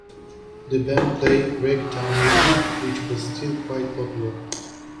The band played ragtime music, which was still quite popular.